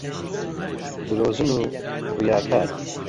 درۆزن و ڕیاکار